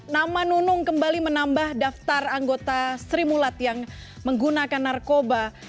nama nunung kembali menambah daftar anggota sri mulat yang menggunakan narkoba